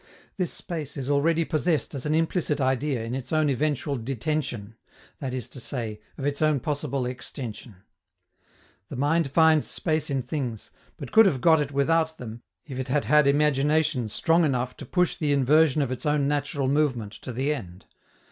This space it already possessed as an implicit idea in its own eventual detension, that is to say, of its own possible extension. The mind finds space in things, but could have got it without them if it had had imagination strong enough to push the inversion of its own natural movement to the end.